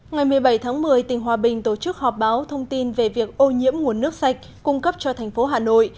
ngày một mươi bảy tháng một mươi tỉnh hòa bình tổ chức họp báo thông tin về việc ô nhiễm nguồn nước sạch cung cấp cho thành phố hà nội